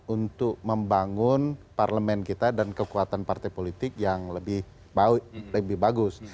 untuk membangun parlemen kita dan kekuatan partai politik yang lebih bagus